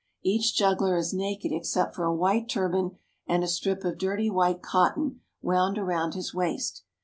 Each juggler is naked except for a white turban and a strip of dirty white cotton, wound around his waist.